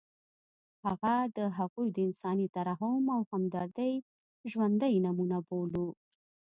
هغه د هغوی د انساني ترحم او همدردۍ ژوندۍ نمونه بولو.